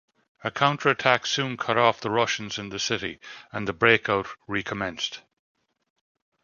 A counterattack soon cut off the Russians in the city, and the breakout recommenced.